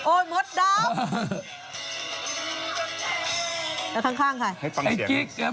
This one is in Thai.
โอ้ยมดดอ้าว